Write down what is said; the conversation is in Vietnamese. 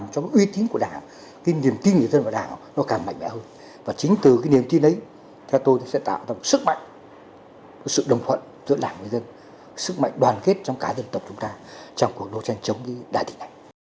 trong cuộc trận chống với đại dịch này